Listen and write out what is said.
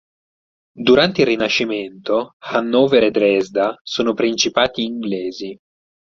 Durante il Rinascimento Hannover e Dresda sono principati inglesi.